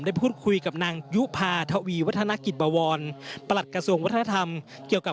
ได้พูดคุยกับนางยุภาทวีวัฒนกิจบวรประหลัดกระทรวงวัฒนธรรมเกี่ยวกับ